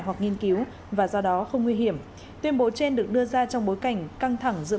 hoặc nghiên cứu và do đó không nguy hiểm tuyên bố trên được đưa ra trong bối cảnh căng thẳng giữa